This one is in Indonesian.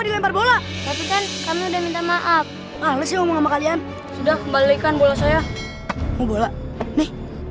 iya ini bentuk terima kasih dari kami